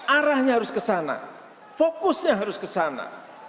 arahnya harus ke sana fokusnya harus ke sana